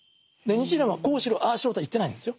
日蓮はこうしろああしろとは言ってないんですよ。